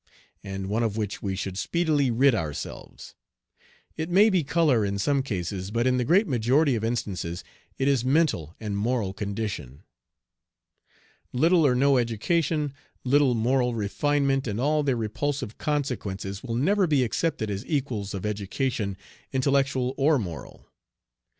and one of which we should speedily rid ourselves. It may be color in some cases, but in the great majority of instances it is mental and moral condition. Little or no education, little moral refinement, and all their repulsive consequences will never be accepted as equals of education, intellectual or moral.